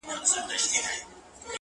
پلار ویل زویه دلته نر هغه سړی دی.